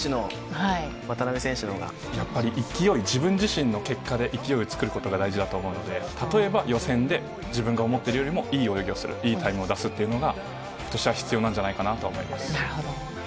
やっぱり勢い、自分自身の結果で勢いを作ることが大事だと思うので、例えば予選で自分が思ってるよりもいい泳ぎをする、いいタイムを出すっていうのがことしは必要なんじゃないかなと思なるほど。